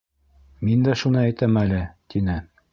— Мин дә шуны әйтәм әле, — тине.